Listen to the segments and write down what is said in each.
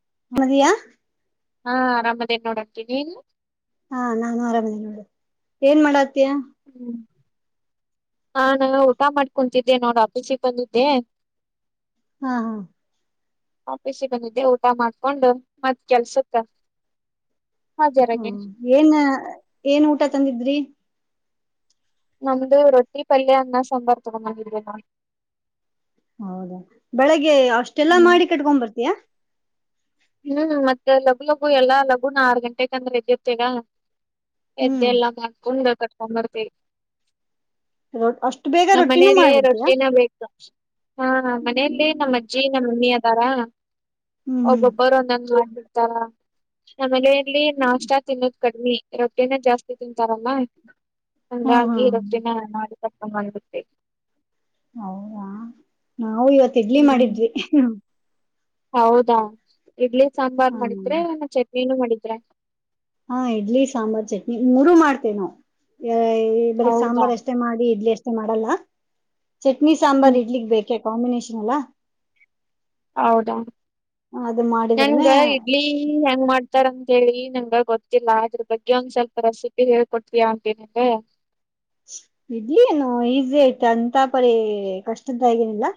[unintelligible] ಹಾ ಆರಾಮದೇನ್ ನೋಡ [unintelligible] ನೀನು. ಹಾ ನಾನು ಆರಾಮ್ ಅದೇನ್ ನೋಡು ಏನ್ ಮಾಡಾತಿಯಾ. ಹ್ಮು ಹಾ ನಾ ಊಟ ಮಾಡ್ಕೊಂತಿದ್ದೆ ನೋಡ್ ಆಫೀಸಿಗೆ ಬಂದಿದ್ದೆ. ಹಾ ಹಾ. ಆಫೀಸಿಗೆ ಬಂದಿದ್ದೆ ಊಟ ಮಾಡ್ಕೊಂಡು ಮತ್ತ್ ಕೆಲ್ಸತ್ತ ಹ್ಮ ಏನ್ ಏನ್ ಊಟ ತಂದಿದ್ರಿ. ನಮ್ದ್ ರೊಟ್ಟಿ, ಪಲ್ಯ, ಅನ್ನ, ಸಾಂಬಾರ್ ತಗೊಂಡ್ ಬಂದಿದ್ದೀವಿ ನಾವು. ಹೌದಾ ಬೆಳಿಗ್ಗೆ ಅಷ್ಟೆಲ್ಲಾ ಹ್ಮ್ ಮಾಡಿ ಕಟ್ಕೊಕೊಂಡ ಬರ್ತೀಯಾ. ಹ್ಮ್ ಮತ್ತೆ ಲಗು ಲಗು ಎಲ್ಲಾ ಲಗುನ ಆರ್ ಗಂಟೆಕ ಅಂದ್ರ ಎದ್ದಿರ್ತ್ ಈಗ್. ಎದ್ದ್ ಹ್ಮ್ ಎಲ್ಲಾ ಮಾಡ್ಕೊಂಡ್ ಕಟ್ಕೊಂಡ್ ಬರ್ತೀವಿ ಅಷ್ಟು ಬೇಗ ನಮ್ಮ ರೊಟ್ಟಿನೂ ಮನೇಯಲ್ಲಿ ಮಾಡ್ಬಿಡ್ತೀಯಾ ರೊಟ್ಟಿನೇ ಬೇಕಾ ಹಾ ಮನೆಯಲ್ಲಿ ನಮ್ಮ ಅಜ್ಜಿ ನಮ್ಮಮ್ಮಿ ಅದಾರಾ ಹ್ಮ್ ಒಬ್ಬೊಬ್ಬ [unintelligible] ಮಾಡಿಬಿಡ್ತಾರ್. ನಮ್ಮ ಮನೆಯಲ್ಲಿ ನಾಷ್ಟ ತಿನ್ನೋದ್ ಕಡ್ಮಿ ರೊಟ್ಟಿನೇ ಜಾಸ್ತಿ ತಿಂತಾರಲ್ಲ ಹಾ ಹಾ ಹಂಗಾಗಿ ರೊಟ್ಟಿನೇ [unintelligible] ಹೌದಾ ನಾವು ಇವತ್ ಇಡ್ಲಿ ಹ್ಮ್ ಮಾಡಿದ್ವಿ. ಹೌದಾ ಇಡ್ಲಿ ಸಾಂಬಾರ್ ಹ ಮಾಡಿದ್ರೆ ಚಟ್ನಿನೂ ಮಾಡಿದ್ರಾ. ಹಾ ಇಡ್ಲಿ, ಸಾಂಬಾರ್, ಚಟ್ನಿ ಮೂರು ಮಾಡ್ತೇವ ನಾವ್. ಬರೀ ಹೌದಾ ಸಾಂಬಾರ್ ಅಷ್ಟೇ ಮಾಡಿ ಇಡ್ಲಿ ಅಷ್ಟೇ ಮಾಡಲ್ಲ ಚಟ್ನಿ, ಸಾಂಬಾರ್ ಹ್ಮ್ ಇಡ್ಲಿಗ್ ಬೇಕೆ ಕಾಂಬಿನೇಷನ್ ಅಲ್ಲಾ. ಹೌದಾ ಅದು ಮಾಡಿದ್ರನೆ ನಂಗ್ ಇಡ್ಲಿ ಹೆಂಗ್ ಮಾಡ್ ಇತಾರ ಅಂತ ಹೇಳಿ ನಂಗ ಗೊತ್ತಿಲ್ಲ ಅದ್ರ ಬಗ್ಗೆ ಒಂದ್ ಸ್ವಲ್ಪ ರೆಸಿಪಿ ಹೇಳಿಕೊಡ್ತೀಯಾ [unintelligible] ನಂಗೆ. ಇಡ್ಲಿ ಏನು ಈಸಿ ಅಂತಾ ಪರಿ ಕಷ್ಟದ್ದಗೇನಿಲ್ಲ.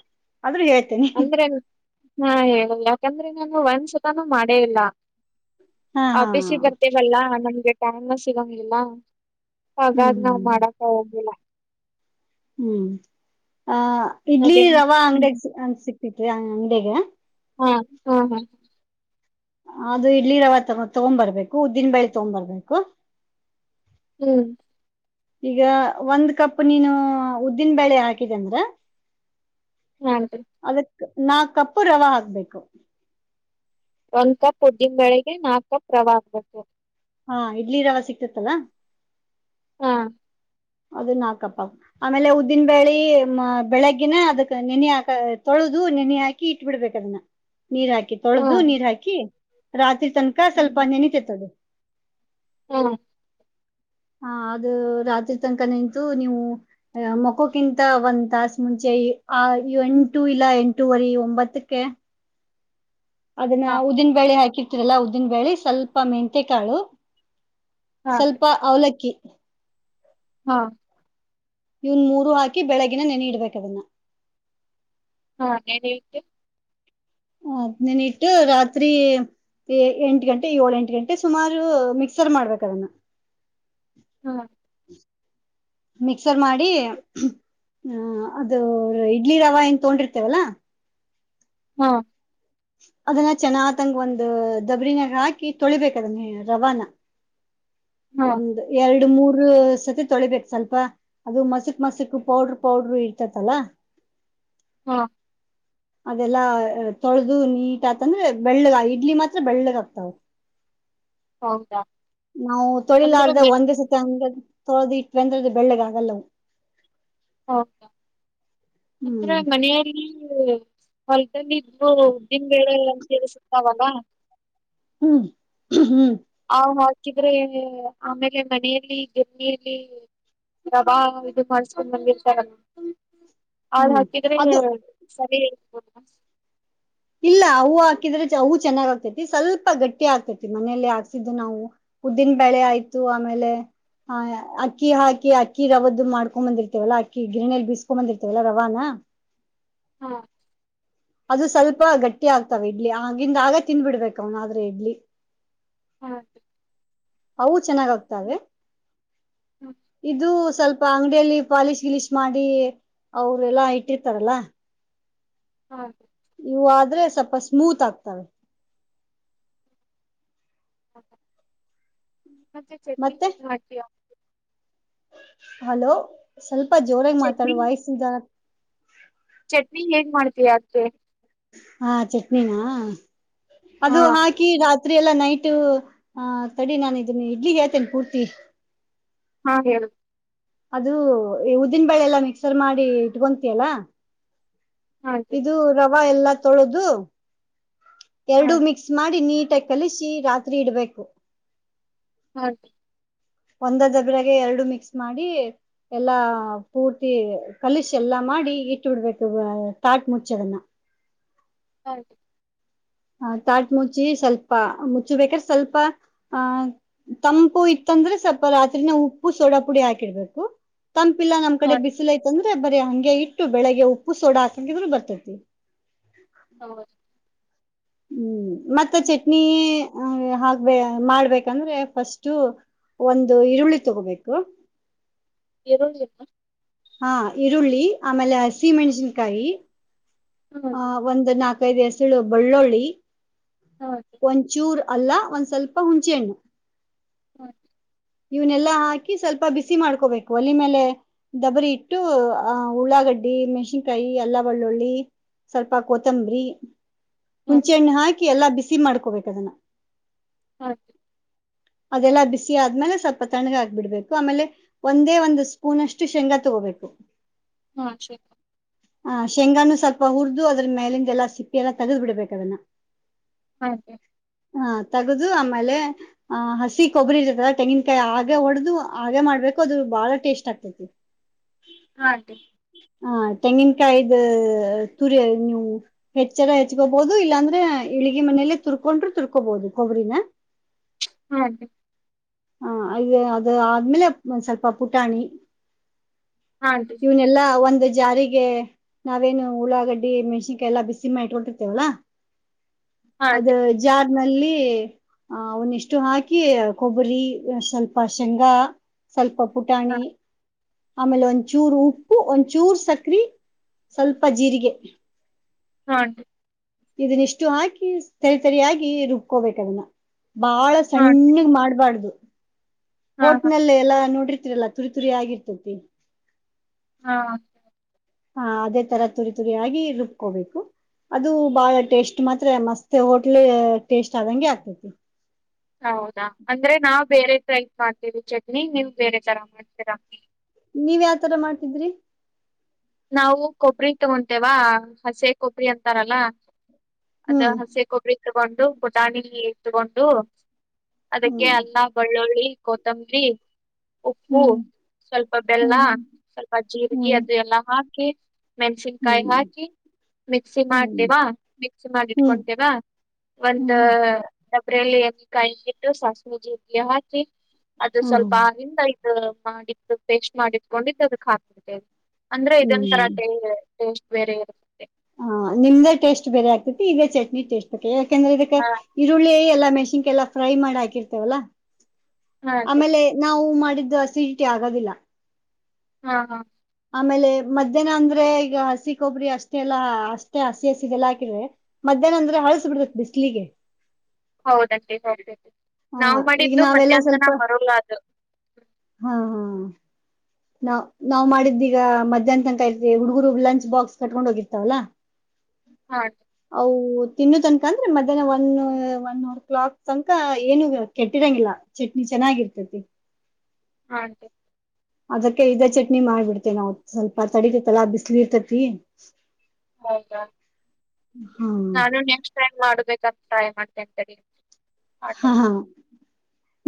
ಆದ್ರೂ ಹೇಳ್ತೇನೆ. ಅಂದ್ರೆ ಹಾ ಹೇಳಿಲ್ಲ ಯಾಕಂದ್ರೆ ನಾನು ಒಂದ್ಸಲಾನು ಮಾಡೇ ಇಲ್ಲ. ಹಾ ಹಾ ಆಫೀಸ್ಸಿಗ ಬರ್ತಿವಲ್ಲ ನಮ್ಗೆ ಟೈಮ್ ಸಿಗೋಂಗಿಲ್ಲ. ಹ್ಮ್ ಹಾಗಾದ್ ನಾವ್ ಮಾಡಾಕ ಹೋಗ್ಲಿಲ್ಲಾ. ಹ್ಮು ಅ ಇಡ್ಲಿ ಅದೇ ರವಾ ಹ್ಮ್ ಅಂಗಡ್ಯಾಗ್ ಸಿಕ್ ಸಿಕ್ತತಿ ಅಂಗಡ್ಯಾಗ್. ಹಾ ಹಾ ಹಾ. ಅದು ಇಡ್ಲಿ ರವಾ ತಗೊ ತಗೊಂಡ್ಬರ್ಬೇಕು ಉದ್ದಿನ ಬ್ಯಾಳಿ ತಗೊಂಡ್ಬರ್ಬೇಕು. ಹ್ಮು ಈಗ ಒಂದ್ ಕಪ್ ನೀನು ಉದ್ದಿನ ಬೇಳೆ ಹಾಕಿದೆ ಅಂದ್ರ [unintelligible] ಅದಕ್ ನಾಕ್ ಕಪ್ಪು ರವಾ ಹಾಕ್ಬೇಕು. ಒಂದ್ ಕಪ್ ಉದ್ದೀನ್ ಬೆಳೆಗೆ ನಾಕ್ ಕಪ್ ರವಾ ಹಾಕ್ಬೇಕ್. ಹಾ ಇಡ್ಲಿ ರವಾ ಸಿಗ್ತತ್ತಲ್ಲಾ. ಹಾ ಅದ ನಾಕಪ್ಪ ಆಮೇಲೆ ಉದ್ದಿನ ಬೇಳಿ ಬೆಳಗ್ಗಿನ ಅದಕ್ ನೆನಾಕ ತೊಳ್ ತೊಳೆದು ನೆನಿ ಹಾಕಿ ಇಟ್ ಬಿಡ್ಬೇಕ ಅದನ್ನ. ನೀರ್ ಹಾಕಿ ಹಾ ತೊಳದು ನೀರ್ ಹಾಕಿ ರಾತ್ರಿ ತನಕ ಸ್ವಲ್ಪ ನೆನಿತೈತಿ ಅದ್. ಹ್ಮು ಹಾ ಅದ್ ರಾತ್ರಿ ತನಕ ನಿಂತು ನೀವು ಮೊಕ್ಕೋಕ್ಕಿಂತ ಒಂದ್ ತಾಸ ಮುಂಚೆ ಆ ಎಂಟು ಇಲ್ಲ ಎಂಟೂವರಿ, ಒಂಬತ್ತಕ್ಕೆ ಅದನ್ನ ಹಾ ಉದ್ದಿನ ಬೇಳೆ ಹಾಕಿರ್ತಿರಲ್ಲಾ ಉದ್ದಿನ ಬೇಳೆ ಸ್ವಲ್ಪ ಮೆಂತೆಕಾಳು ಹಾ ಸ್ವಲ್ಪ ಅವಲಕ್ಕಿ. ಹಾ ಇವನ್ ಮೂರು ಹಾಕಿ ಬೆಳಗಿನ ನೆನಿ ಇಡ್ಬೇಕದನ್ನ. ಹಾ ನೆನಿಸಿ. ಅದ್ ನೆನಿ ಇಟ್ಟ ರಾತ್ರಿ ಎಂಟ ಗಂಟೆ, ಏಳ, ಎಂಟು ಗಂಟೆ ಸುಮಾರು ಮಿಕ್ಸರ್ ಮಾಡ್ಬೇಕದನ್ನ. ಹಾ ಮಿಕ್ಸರ್ ಮಾಡಿ ಹಾ ಅದು ಇಡ್ಲಿ ರವಾ ಹೆಂಗ್ ತಗೊಂಡಿರ್ತೀವಲ್ಲಾ ಹಾ ಅದನ್ನ ಚೆನ್ನತಂಗ ಒಂದ ದಬರಿನಾಗ ಹಾಕಿ ತೊಳಿಬೇಕ ಅದನ್ನೇ ರವಾನಾ. ಹಾ ಒಂದು ಎರಡು ಎರಡು, ಮೂರು ಸತಿ ತೊಳಿಬೇಕ್ ಸ್ವಲ್ಪ ಅದು ಮಸಕ್ ಮಸಕ್ ಪೌಡ್ರ ಪೌಡ್ರರು ಇರ್ತತಲ್ಲ. [inaudible] ಹಾ [inaudible] ಅದೆಲ್ಲಾ ತೊಳೆದು ನೀಟ್ ಆತಂದ್ರೆ ಬೆಳ್ಳಗ್ ಇಡ್ಲಿ ಮಾತ್ರ ಬೆಳ್ಳಗ್ ಆಗ್ತಾವ. ಹೌದಾ ನಾವು ಅಂದ್ರ ತೊಳಿಲಾರ್ದ ಮನ್ ಒಂದೇಸತ್ತ ಹಂಗ್ ತೊಳದು ಇಟ್ವೆಂದ್ರ ಅದ್ ಬೆಳ್ಳಿಗ್ ಆಗಲ್ಲವು. ಹೌದಾ ಇದ್ರ ಹ್ಮ್ ಮನೆಯಲ್ಲಿ ಇ [unintelligible] ಹ್ಮು ಹ್ಮು. ಅವ್ ಹಾಕಿದ್ರೆ ಆಮೇಲೆ ಮನೆಯಲ್ಲಿ [unintelligible] [unintelligible] ಆದ್ ಹ್ಮ್ ಹಾಕಿದ್ರೆ ಅದು ಸರಿ ಇಲ್ಲ ಅವು ಹಾಕಿದ್ರೆ ಚ- ಅವು ಚೆನ್ನಾಗ್ ಆಗತೈತಿ ಸ್ವಲ್ಪ ಗಟ್ಟಿ ಆಗತೈತಿ ಮನೇಲಿ ಹಾಕ್ಸಿದ್ದು ನಾವು ಉದ್ದಿನ ಬೆಳೆ ಆಯ್ತು ಆಮೇಲೆ ಹ ಅಕ್ಕಿ ಹಾಕಿ ಅಕ್ಕಿ ರವದ್ದು ಮಾಡ್ಕೊ್ ಬಂದಿರ್ತವಲ್ಲಾ ಅಕ್ಕಿ ಗಿರಣಲ್ ಬಿಸ್ಕೊ್ ಬಂದಿರ್ತವಲ್ಲ ರವಾನ ಹ ಹಾ ಅದು ಸ್ವಲ್ಪ ಗಟ್ಟಿ ಆಗ್ತಾವ ಇಡ್ಲಿ ಆಗಿಂದ ಆಗ ತಿಿಂದ್ಬಿಡ್ಬೇಕ ಇಡ್ಲಿ. ಹಾ. ಅವು ಚೆನ್ನಾಗ್ತಾವೆ ಇದು ಸ್ವಲ್ಪ ಅಂಗಡಿಯಲ್ಲಿ ಪಾಲಿಶ್ ಗಿಲಿಶ್ ಮಾಡಿ. ಅವ್ರ ಎಲ್ಲಾ ಇಟ್ಟಿರ್ತಾರಲ್ಲ. ಹ್ಮ. ಯು ಆದ್ರೆ ಸ್ವಲ್ಪ ಸ್ಮೂತ್ ಆಗ್ತವೆ. ಹ ಮತ್ತೆ ಚಟ್ನ ಮತ್ತೆ ಹಟಿಯ. ಹಲೋ ಸ್ವಲ್ಪ ಜೋರಾಗಿ ಮಾತಾಡ ಚಟ್ನಿ ವಯಸಾರ. ಚಟ್ನಿ ಹೇಗ್ ಮಾಡ್ತಿ. ಹಾ ಚಟ್ನಿನಾ ಹಾ ಅದು ಹಾಕಿ ರಾತ್. ರತ್ರಿ ಎಲ್ಲ ನೈಟ್ ಆಹ ತಡಿ ನಾನು ಇದನ ಇಡ್ಲಿ ಹೇಳ್ತೇನೆ ಪೂರ್ತಿ. ಹಾ ಹೇಳ. ಅದು ಉದಿನ ಬಳೆ ಎಲ್ಲ ಮಿಕ್ಸರ್ ಮಾಡಿ ಇಟ್ಕೊಂತಿಯಲ್ಲ ಹಾಗೆ ಇದು ರವೆ ಎಲ್ಲಾ ತೊಳೋದು. ಎರಡು ಹಾಗೆ ಮಿಕ್ಸ್ ಮಾಡಿ ನೀಟಾಗಿ ಕಲಸಿ ರಾತ್ರಿ ಇಡ್ಬೇಕು. ಹೌ ಒಂದ ದಬ್ರಾಗ ಎರಡು ಮಿಕ್ಸ್ ಮಾಡಿ ಎಲ್ಲಾ ಪೂರ್ತಿ ಕಲಷ್ ಎಲ್ಲಾ. ಮಾಡಿ ಇಟ್ಟ ಬಿಡ್ಬೇಕು ತಾಟ್ ಮುಚ್ಚೋದನ್ನ. [inaudible] ಹ ತಾಟ್ ಮುಚ್ಚಿ ಸ್ವಲ್ಪ ಮುಚ್ಚಿ ಬೇಕಾದ್ರೆ ಸ್ವಲ್ಪ ಆಹ ತಂಪು ಇತ್ತ ಂದ್ರೆ ಸ್ವಲ್ಪ ರಾತ್ರಿ ನ ಉಪ್ಪು ಸೋಡಾ ಪುಡಿ ಹಾಕಿಡ್ಬೇಕು ತಂಪಿಲ್ಲ ನ್ ಕಡೆ ಹಾಗೆ ಬಿಸಿಲುೈಐತಂದ್ರೆ ಬರಿೀ ಹಂಗೆ ಇಟ್ಟು ಬೆಳಿಗ್ಗೆ ಉಪ್ಪು ಸೋಡ ಹಾಕಂಗಿದರು ಬರ್ತೈತಿ. ಹೌದು. ಹ್ಮ್ ಮತ್ತ ಹ್ಮ್. ಚಟ್ನಿ ಹ ಹಾಗಗ್ಬ ಮಾಡ್ಬೇಕಂದ್ರೆ ಫಸ್ಟು. ಒಂದು ಈರುಳ್ಳಿ ತಗೋಬೇಕು. ಎರಳ್ಳಕ್ಕ. ಹಾ ಈರುಳ್ಳಿ ಆಮೇಲೆ ಹಸಿಮೆಣಸಿನ್ಕಾಯಿ. ಆ ಹಾಗೆ ಒಂದು್ ನಾಕೈದು ಹೆಸಳು ಬೆಳ್ಳುಳ್ಳಿ ಹಾಗೆ ಒಂಚೂರ್. ಅಲ್ಲಾ ಒಂದ್ ಸ್ವಲ್ಪ ಹುಂಚೆ ಹಣ್ಣು. ಹ್ಮ. ಇವನೆಲ್ಲಾ ಹಾಕಿ ಸ್ವಲ್ಪ ಬಿಸಿ ಮಾಡ್ಕೋಬೇಕು ಒಲೆ ಮೇಲೆ ದಬ್ಬರಿ ಇಟ್ಟು ಆಹ ಉಳ್ಳಾಗ. ಡ್ಡಿ ಮೆಣಸಿನ್ಕಾಯಿ ಎಲ್ಲ ಒಳ್ಳೊಳ್ಳಿ. ಸ್ವಲ್ಪ ಕೊತ್ತಂಬರಿಿ ಹಾಗೆ ಹುಂಚೆ ಹಣ್ಣ ಹಾಕಿ. ಎಲ್ಲಾ ಬಿಸಿ ಮಾಡ್ಕೋಬೇಕ ಅದನ್ನ [inaudible] ಅದೆಲ್ಲ ಬಿಸಿ ಆದ್ಮೇಲೆ ಸ್ವಲ್ಪ ತಣ್ಣಗ ಹಾಕ್ಬಿಡ್ಬೇಕು ಆಮೇಲೆ ಒಂದೇ ಒಂದು ಸ್ಪೂನ್ ಅಷ್ಟು ಶೇಂಗಾ ತಗೋಬೇಕು. [inaudible] ಹ ಶೇಂಗಾನು ಸ್ವಲ್ಪ ಹುರಿದು ಅದ್ರ ಮೇಲಿಂದೆಲ್ಲಾ ಸಿಪ್ಪಿ ಎಲ್ಲಾ ತೆಗೆ್ದ್ ಬಿಡ್ಬೇಕದನ್ನ. ಹಾಗೆ. ಹ ತಗದು ಆಮೇಲೆ ಆ ಹಸಿ ಕೊಬ್ಬರಿ ಇರತ್ತಲ್ಲ ತೆಂಗಿಿನಕಾಯಿ ಹಾಗೆ ಹೊಡೆದು ಹಾಗೆ ಮಾಡ ಬಕೋ ಅದು ಬಾಳ ಟೇಸ್ಟ್ ಆಗ್ತೈತಿ. ಹಾಟೀ ಹಾ ತೆಂಗಿನಕಾಯ್ದ. ತುರಿ ನೀವು ಹೆಚ್ಚರ ಹೆಚ್ಕೋಬಹುದು ಇಲ್ಲಾಂದ್ರೆ ಇಳಿಗೆ ಮನೆಯಲ್ಲೇ ತುರ್ಕೊಂಡ್ರರು ತುರ್ಕೋಬಹುದು ಕೊಬ್ಬರಿನ ಹ ಹಾ ರ ಹಾ ಅದು ಅದು ಆದ್ಮೇಲೆ ಸ್ವಲ್ಪ ಪುಟಾಣಿ ಹಾಗೆ ಇವನೆಲ್ಲಾ ಒಂದ ಅಂದ ಜಾರಿಗೆ ನಾವೇನು ಉಲಾಗಡ್ಡಿ ಮೆಣ್ಸಿನ್ಕಾಯಿ ಎಲ್ಲ ಬಿಸಿ ಮಾಡ ಇಟ್ಕೊಳ್ತಿರ್ತೇವಲ್ಲ ಅದು ಹಾಗೆ ಜಾರ್ ನಲ್ಲಿ ಅವನ ಇಷ್ಟು ಹಾಕಿ ಕೊಬ್ಬ ಬ್ಬರಿ ಸ್ವಲ್ಪ ಶೇಂಗಾ ಸ್ವಲ್ಪ ಹಾ ಪುಟಾಣಿ ಆಮೇಲೆ ಒಂಚೂರು ಉಪ್ಪು ಒಂಚೂರು ಸಕ್ರೆ ಸ್ವಲ್ಪ ಜೀರಿಗೆ ಹಾಟೀ ಇದನ್ನಿಷ್ಟು ಹಾಕಿ ಸರಿತರಿಯಾಗಿ ರುಬ್ಕೋಬೇಕದನ್ನ ಬಾಳ ಹಾಗೆ ಸಣ್ಣಗ್ ಮಾಡಬಾರ್ದು ಹಾ ಹೋಟ್ ಹಾ ನಲ್ಲ ಎಲ್ಲಾ ನೋಡಿರ್ತಿರಲ್ಲ ತುರಿ ತುರಿ ಆಗಿರ್ತತಿ ಹಾ ಹಾ ಅದೇ ತರ ತುರಿ ತುರಿ ಆಗಿ ರುಬ್ಕೋಬೇಕು ಅದು ಬಾಳ ಟೇಸ್ಟ್ ಮಾತ್ರ ಮಸ್ತ್ ಹೋಟ್ಲ್ ಟೇಸ್ಟ್ ಆದಂಗೆ ಆಗ್ತತಿ ರೖ ಮಾಡ್ತೀವಿ ಚಟ್ನಿ ನೀವುಬೇರೆ ತರ ಮಾಡ್ತೀರಾ ನೀವ ಯಾವತರ ಮಾಡ್ತಿದ್ರಿ ನಾವು ಕೊಬ್ಬರಿತಗೊಂತೇವಾ ಹಸಿ ಕೊಬ್ಬರಿ ಅಂತಾರಲ್ಲ ಅದ ಹ್ಮ್ ಹಸಿ ಕೊಬ್ಬರಿ ತಗೊಂಡು ಪುಟಾಣಿ ತಗೊಂಡು ಅದಕ್ಕೆ ಹ್ಮ್ ಅನ್ನ ಬಳ್ಳುಳ್ಳಿ ಕೊತ್ತಂಬ್ರರಿ ಉಪ್ಪು ಹ್ಮ್ ಸ್ವಲ್ಪ ಬೆಲ್ಲ ಸ್ವಲ್ಪ ಜೀರಿಗೆ ಹ್ಮ್ ಅದೆ ಎಲ್ಲ ಹಾಕಿ ಹ್ಮ್ ಮೆನ್ಸಿಿನಕಾಯ ಹ್ಮ್ ಹಾಕಿ ಮಿಕ್ಸಿ ಹ್ಮ್ ಮಾಡ್ತೇವಾ ಮಿಕ್ಸಿ ಹ್ಮ್ ಹ್ಮ್ ಹ್ಮ್ ಮಾಡಿಟ್ಕೊತೇವಾ ಒಂದ ಹ್ಮ್ ಬ್ರಲ್ಲಿ ಎಣ್ಣೆ ಕಾಯಿಟ್ಟು ಸಾಸಣ ಜಡ್ಲಿ ಹಾಕಿ ಅದು ಸ್ವಲ್ಪ ಹ್ಮ್ ಆ ನಿಂದ ಐ ಮಾಡಿದ್ದು ಪೇಸ್ಟ್ ಮಾಡಿಟ್ಕೊಂಡಿದ್ದು ಅದಕ್ ಹಾಕ್ಬ ಅಂದ್ರೆ ಇದೊನ್ ಹ್ಮ್ ತರಾಟೆ ಟೇಸ್ಟ್ ಬೇರೆ ಇರುೆ ಹ ನಿಮ್ದ ಟೇಸ್ಟ್ ಬೇರೆ ಆಗ್ತತಿ ಈ ಚಟ್ನಿ ಟೇಸ್ಟ್ ಯಾಕೆಂದ್ರೆ ಇದಕ್ಕೆ ಹಾ ಈರುಳ್ಳಿ ಎಲ್ಲಾ ಮೆ ಮಾಡ ಹ ಹಾ ಆ ನ ಮಾಡ ಮಾಡಿದ್ದು ಅಸಿಡಿಟಿ ಆಗೋದಿಲ್ಲ ಹಾ ಹಾ ಆಮೇಲೆ ಮಧ್ಯಾಹ್ನ ಅಂದ್ರೆ ಈಗ ಹಸಿ ಕೊಬ್ಬರಿ ಅಷ್ಟೇ ಎಲ್ಲಾ ಅಷ್ಟೇ ಹಸಿ ಹಸಿ ಇಲ್ಲ ಹಾಕಿದ್ರೆ ಮಧ್ಯಾಹ್ನ ಅ ಹಳ್ಸ ಬಿಡತತಿ ಬಿಸ್ಲಿಗೆ ಹೌದಂತೆ ಹ ಈಗ ನಾವುಮಾಡಿದ್ದು ನಾವೆಲ್ಲಾ ಮಧ್ಯಾಹ್ನನ ಸ್ವಲ್ಪ ಮರಲ್ಲ ಅದು ಹಾ ಹಾ ನಾವ್ ನಾವ್ ಮಾಡಿದ್ದೀ ಈಗ ಮಧ್ಯಾಹ್ನ ತನಕ ಇರ್ತಿವಿ ಹುಡ್ಗರು ಲಂಚ್ ಬಾಕ್ಸ್ ಕಟ್ಕೊಂಡ್ ಹೋಗಿರ್ತಾವಲ್ಲಾ ಹಾ ಆಂಟಿ ಹೌ ತಿನ್ನು ತನಕ ಅಂದ್ರೆ ಮಧ್ಯಾಹ್ನ ಒನ್ ಒನ್ ಅವರ್ ಕ್ಲಾಕ್ ತನಕ ಏನು ಕೆಟ್ಟಿರೋಂಗಿಲ್ಲ ಚಟ್ನಿ ಚ ಚೆನ್ನಾಗಿರ್ತತಿ ಹಾ ಅದಕ್ಕೆ ಇದ ಚಟ್ನಿ ಮಾಡಿಬಿಡ್ತೆೇ ನಾವವು ಸ್ವಲ್ಪ ತಡಿತತಲಾ ಬಿಸ್ಲಿ ಇರ್ತತಿ ಹೌದಾ ಹಾ ನಾನು ನೆಕ್ಸ್ಟ್ ಟೈಮ್ ಮಾಡ್ಬೇಕಂತ ಸ್ರಾಯ ಮಾಡ್ತೇ ಅಂತೇಳ ಹೇಳ ಹಾ ಹಾ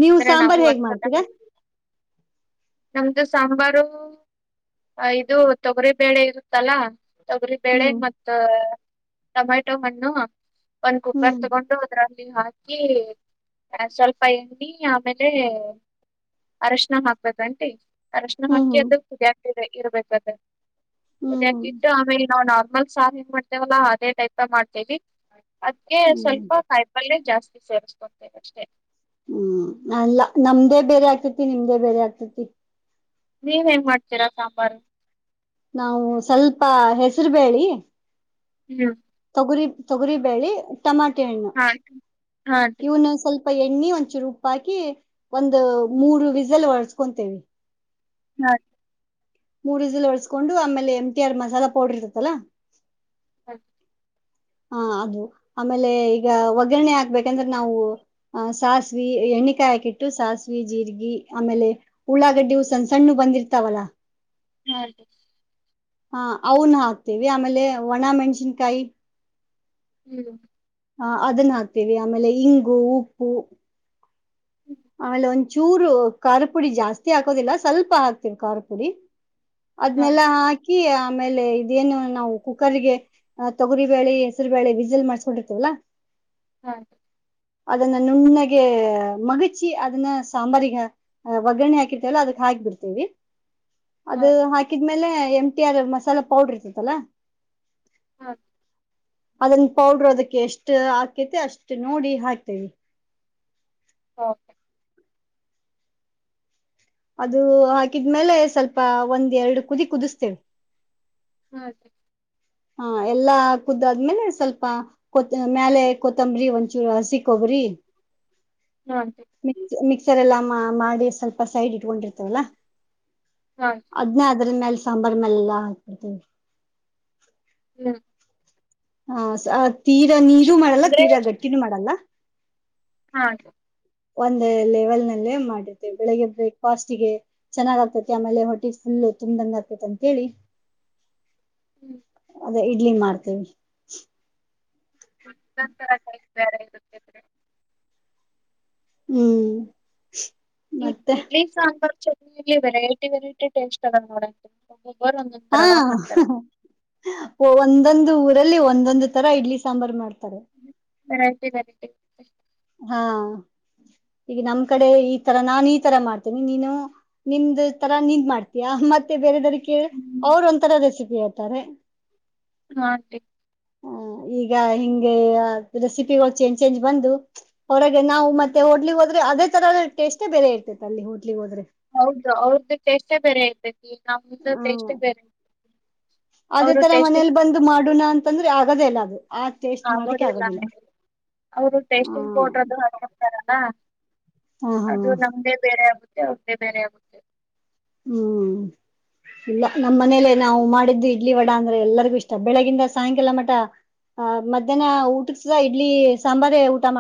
ನೀವು ಸಾಂಬಾರ್ ಹೇಗ್ ಮಾಡ್ತೀರಾ ನಮ್ಮದು ಸಾಂಬಾರು ಇದು ತೊಗರಿಬೇಳೆ ಇರುತ್ತಲ್ಲಾ ತೊಗರಿ ಬೇಳೆ ಹ್ಮ್ ಮ ಟೊಮೆಟೊ ಮಣ್ಣು ಒಂದ ಕುಕ್ಕರ್ ಹ್ಮ್ ತಗೊಂಡು ಅದರಲ್ಲಿ ಹಾಕ ರೀಸ್ವಲ್ಪ ಎಣ್ಣಿ ಆಮೇಲೆ ಅರಶಿನ ಹಾಕ್ಬೇಕೇುಂಟಿ ಅರಶಣ ಹ್ಮ್ ಹಾಕಿ ಅದು ಹ್ಮ್ ಕುದಿಯಾಕ ಇರ್ಬೇಕದ ಹ್ಮ್ ಹ್ಮ್ ಕುದಿಯಾಕಿ ಇಟ್ಟು ಆಮೇ. ನಾವು ನಾರ್ಮಲ್ ಸಹ ಹೆ ಮಾಡ್ತೇವಲ್ಲಾ ಅದೇ ಟೈಪ್ ಮಾಡ್ತೇವಿ ಅದಕ್ಕೆ ಹ್ಮ್ ಸ್ವಲ್ಪ ಕಾಯಿಪಲ್ಯ ಜಾಸ್ತಿ ಸೇರಿಸಕೊಡ್ತೇವೆ ಅಷ್ಟೇ ಹ್ಮ್ ಅ ನಮ್ದೇ ಬೇರೆ ಆಗ್ತೇತಿ ನಿಮ್ದೇ ಬೇರೆ ಆಗ್ತೇತಿ ನೀವ ಹೆಂಗ ಮಾಡ್ತೀರಾ ಸಾಂಬಾರು ನಾವು ಸ್ವಲ್ಪ ಹೆಸರು ಬಿ ಹ್ಮ್ ತೊಗುರಿ ತೊಗರಿ ಬೇಳಿ ಟಮಾಟೆ ಹಣ್ಣು ಹಾ ಆಂಟಿ ಹಾ ಆಂಟಿ ಇವನ್ನ ಸ್ವಲ್ಪ ಪ್ಪ ಎಣ್ಣೆ ಒಂದ್ಚೂರುೂಪ ಹಾಕಿ ಒಂದ್ ಮೂರು ವಿಸಲ್ ಒರ್ಸ್ಕೊಂತೇವಿ ಹಾ ಮೂರ್ಜಲು ಒಳ್ಸ್ಕೊಂಡು ಆಮೇಲೆ ಎಂಟಿ ಆರ್ ಮಸಾಲಾ ಪೌಡರ್ ಇರತ್ತಲ್ಲಾ ಹ ಹ ಹ ಅದು ಆಮೇಲೆ ಈಗ ಒಗ್ಗರಣೆ ಹಾಕ್ಬೇಕಂದ್ರೆ ನಾವು ಸಾಸಿವ ಎಣ್ಣ ಕಾಯ ಹಾಕಿಟ್ಟು ಸಾಸಿವವಿ ಜೀರ್ಗಿ ಆಮೇಲೆ ಉಳ್ಳಾಗಡ್ಡಿ ಸಣ್ಣ ಸಣ್ಣು ಬಂದಿರ್ತಾವಲ್ಲಾ ಹಾ ಹಾ ಅವನು ಹಾಕ್ತೇವಿ ಆಮೇಲೆ ಒಣ ಮೆಣಸಿನ್ಕಾಯಿ ಹ್ಮ್ ಹ ಅದನ್ನ ಹಾಕ್ತೇವಿ ಆಮೇಲೆ ಇಂಗು ಉಪ್ಪು ಆಮೇಲೆ ಒಂದ್ಚೂರು ಖಾರುಪುಡಿ ಜಾಸ್ತಿ ಹಾಕೋದಿಲ್ಲ ಸ್ವಲ್ಪ ಹಾಕ್ತಿವ ಖಾರುಪುಡಿ ಹಾ ಅದನೆಲ್ಲಾ ಆಂಟಿ ಹಾಕಿ ಆಮೇಲೆ ಇದೇನು ನಾವು ಕುಕ್ಕರ್ಗೆ ತೊಗರಿ ಬೇಳೆ ಹೆಸರು ಬೇಳೆ ವಿಸಿಲ್ ಮಾಡ್ಸ್ಕೊಂಡಿರ್ತೇವಲ್ಲಾ ಹಾ ಅದನ್ನ ನುಣ್ಣಗೆ ಮಗ ರುಚಿ ಅದನ್ನ ಸಾಂಬಾರಿಗೆ ಒಗ್ಗರಣೆ ಹಾಕಿರ್ತಲ್ಲ ಅದಕ್ ಹಾಕಿಬಿಡ್ತೇವಿ ಹಾ ಅದು ಆಂಟಿ ಹಾಕಿದ್ಮೇಲೆ ಎಂ ಟಿ ಆರ್ ಮಸಾಲೆ ಪೌಡ್ರ ಇರ್ತತಲ್ಲ ಹ್ಮ್ ಅದನ್ ಪೌಡ್ರ ಅದಕ್ಕೆ ಎಷ್ಟು ಹಾಕೈತಿ ಅಷ್ಟ್ ನೋಡಿ ಹಾಕ್ತೇವಿ ಓಕೆ ಅದು ಹಾಕಿದ್ಮೇಲೆ ಸ್ವಲ್ಪ ಒಂದ್ ಎರಡು ಕುದಿ ಕುದಿಸ್ತೇವೆ ಹ ಹಾ ಎಲ್ಲಾ ಕುದ್ದಾದ್ಮೇಲೆ ಸ್ವಲ್ಪತ್ ಮೇಲೆ ಕೊತ್ತಂಬರಿಿ ಒಂಚೂರು ಹಸಿ ಕೊಬ್ಬರಿಿ ಹ್ರ ಹಾ ಆಂಟಿ. ಮಿಕ್ ಮಿಕ್ಸರ್ ಎಲ್ಲ ಮಾಡಿ ಸ್ವಲ್ಪ ಸೈಡ್ ಇಟ್ಕೊಂಡಿರ್ತವಲ್ಲ ಹಾ ಆಂಟಿ ಅದ್ನ್ನೇ ಅದ್ರ ಮೇಲೆ ಸಾಂಬಾರ್ ಮೇಲೆೆಲ್ಲಾ ಹಾಕ್ಬಿಡ್ತೇವಿ ಹ್ಮ [inaudible] ಹ ತೀರಾ ನೀರು ಮಾಡಲ್ಲ ತೀರಾ ಗಟ್ಟಿನೂ ಮಾಡಲ್ಲ. ಹಾಗ ಒಂದ ಲೆವೆಲ್ ನಲ್ಲೇ ಮಾಡತೆ ಬೆಳಿಗ್ಗೆ ಬ್ರೇಕ್ಫಾಸ್ಟ್ ಗೆ ಚೆನ್ನಾಗ ಆಗ್ತೈತಿ ಆಮೇಲೆ ಹೊಟೆ ಫುಲ್. ಇಲ್ಲ ತುಂಬ್ದಂಗ ಆತೇತ ಅಂತ ಕೇಳ. ಹ್ಮ್. ಅದೇ ಇಡ್ಲಿ ಮಾಡ್ತೇವಿ. ಹರ ಬರ ಇತ್ತ್ರೆ. ಹ್ಮ್. ಇ ಮತ್ತೆ ಇಡ್ಲಿ ಸಾಂಬಾರ್ ಚಟ್ನಿಯಲ್ಲಿ ವೆರೈಟಿ ವೆರೈಟಿ ಟೇಸ್ಟ್ ಅದ ನೋಡ. ಹಾ ಒಂದೊಂದು ಊರಲ್ಲಿ ಒಂದೊಂದು ತರ ಇಡ್ಲಿ ಸಾಂಬಾರ್ ಮಾಡ್ತಾರೆ. ಸ. ವೆರೈಟಿ ವೆರೈಟಿ ಹಾ ಈಗ ನಮ್ ಕಡೆ ಈ ತರ ನಾನ್ ಈ ತರ ಮಾಡ್ತೇನೆ ನೀನು ನಿಮ್ ತರ ನಿಂದ್ ಮಾಡ್ತೀಯಾ. ಮತ್ತೆ ಬೇರೆದ ಕ ಅವರು ಒಂಂತರ ರೆಸಿಪಿ ಹೇಳ್ತಾರೆ. ಹಾಟೀ ಹ ಈಗ ಹಿಂಗೆ ರೆಸಿಪಿಗಳು ಚೇಂಜ್ ಚೇಂಜ್ ಬಂದು ಅವರಾಗ ನಾವು ಮತ್ತ ಹೋಟ್ಲಿಗ್ ಹೋದೆ ಅದೇ ತರದ ಟೇಸ್ಟೇ ಬೇರೆ ಇರ್ತತೆ ಅಲ್ಲಿ ಹೋಟ್ಲಿ ಹೋದ್ರೆ ಹೌದು ಅವ್ರದ್ದು ಟೇಸ್ಟೇ ಬೇರೆ ಇರ್ತೇತಿ ನಮ್ದು ಹ್ಮ ಟೇಸ್ಟೇ ಬೇರೆ ಇತಿ ಅದೇ ತರ ಮನೇಲಿ ಬಂದು ಮಾಡೋಣ ಅಂತಂದ್ರೆ ಆಗದೇ ಇಲ್ಲ ಅದು ಆ ಟೇಸ್ಟ್ ಮಾಡಕ್ಕೆ ಆಗೋದಿಲ್ಲ ಹಾಗ ಅವರು ಹ ಟಸ್ಟಿಂಗ್ ಪಡ್ರದು ಹಕತಾರ ಹ ಹಾ ಅದು ನಮ್ದೇ ಬೇರೆ ಆಗುತ್ತೆ ಅವ್ರ್ದೇ ಬೇರೆ ಆಗುತ್ತೆ ಹ್ಮ್ ಇಲ್ಲ ನಮ್ಮ್ ಮನೇಲೆ ನಾವು ಮಾಡಿದ್ವಿ ಇಡ್ಲಿ ವಡ ಅಂದ್ರೆ ಎಲ್ಲರಿಗೂ ಇಷ್ಟ ಬೆಳಗಿಂದ ಸಾಯಂಕಾಲ ಮಠ ಆ ಮಧ್ಯಾಹ್ನ ಊಟಕ್ಸದ ಇಡ್ಲಿ ಸಾಂಬಾರ ಊಟ ಮಾಡ